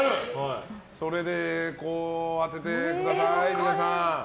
それで当ててください。